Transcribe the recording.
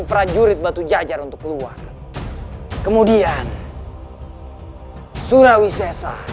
maka tarik posible tukangshoe